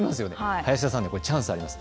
林田さん、チャンスがありますよ。